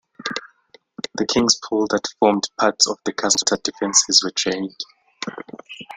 The King's Pool that formed part of the castle's water defences was drained.